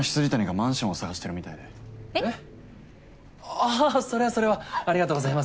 あぁそれはそれはありがとうございます。